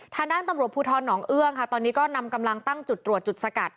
ทางด้านตำรวจภูทรหนองเอื้องค่ะตอนนี้ก็นำกำลังตั้งจุดตรวจจุดสกัด